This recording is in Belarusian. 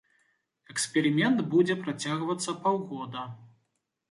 Эксперымент будзе працягвацца паўгода.